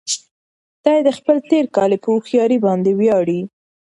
دی د خپل تېرکالي په هوښيارۍ باندې ویاړي.